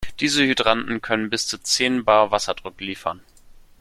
Diese Hydranten können bis zu zehn Bar Wasserdruck liefern.